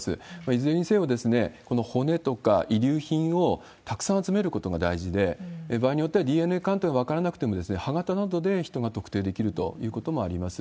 いずれにせよ、この骨とか遺留品をたくさん集めることが大事で、場合によってはＤＮＡ鑑定では分からなくても、歯形などで人が特定できるということもあります。